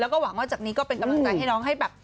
แล้วก็หวังว่าจากนี้ก็เป็นกำลังใจให้น้องให้แบบ